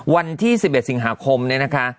วันที่สิบเอ็ดสิงหาคมนี่นะคะ